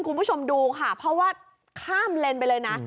คุณผู้ชมดูค่ะเพราะว่าข้ามเลนไปเลยนะ